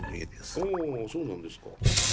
ああそうなんですか。